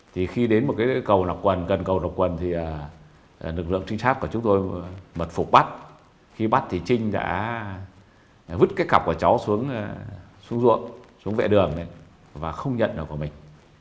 thì khi đến một cái cầu nọc quần gần cầu nọc quần thì lực lượng trinh sát của chúng tôi mật phục bắt khi bắt thì trinh đã vứt cái cặp của cháu xuống ruột xuống vệ đường này và không nhận được của mình